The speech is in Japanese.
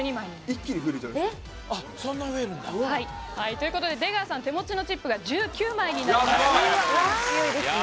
一気に増えるはいということで出川さん手持ちのチップが１９枚になりました